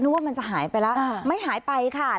ว่ามันจะหายไปแล้วไม่หายไปค่ะ